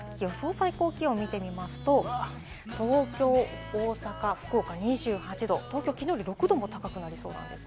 最高気温を見てみますと、東京、大阪、福岡２８度、東京、きのうより６度も高くなりそうです。